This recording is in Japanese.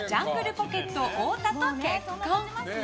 ポケット太田と結婚。